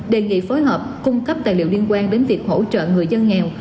đề nghị phối hợp cung cấp tài liệu liên quan đến việc hỗ trợ người dân nghèo